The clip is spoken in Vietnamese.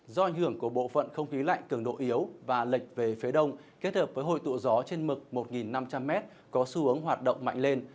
do ảnh hưởng của bộ phận không khí lạnh cường độ yếu và lệch về phía đông kết hợp với hội tụ gió trên mực một năm trăm linh m có xu hướng hoạt động mạnh lên